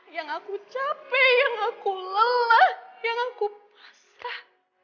yang aku capek yang aku lelah yang aku pasrah